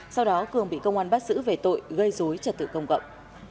sau đó cường bị công an bắt giữ về tội gây dối trật tự công cộng